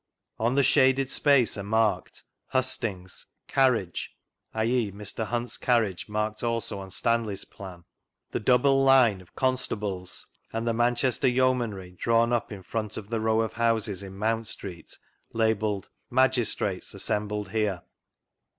On the shaded space are marked: "Hustings;" " Carriage" {i.e., Mr. Hunt's carriage, marked also on Stanley's Plan); the double line of "Constables i" and the "Manchester Yeomanry," drawn op in front of the row at houses in Mount Street, labelled :" Magis trates assembled here."